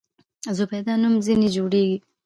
زبیده نوم ځنې جوړېږي.